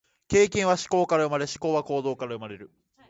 経験は思考から生まれ、思考は行動から生まれる。